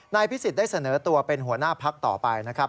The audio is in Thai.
พิสิทธิ์ได้เสนอตัวเป็นหัวหน้าพักต่อไปนะครับ